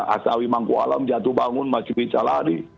asnawi mangku alam jatuh bangun masih bisa lari